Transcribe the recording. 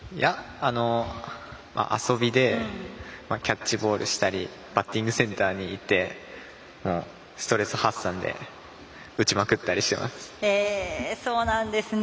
遊びでキャッチボールをしたりバッティングセンターに行ってストレス発散で打ちまくったりしてます。